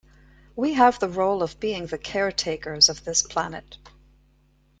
We have the role of being the caretakers of this planet.